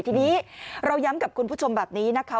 ทีนี้เราย้ำกับคุณผู้ชมแบบนี้นะคะ